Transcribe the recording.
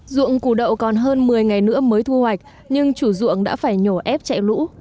dụng củ đậu còn hơn một mươi ngày nữa mới thu hoạch nhưng chủ dụng đã phải nhổ ép chạy lũ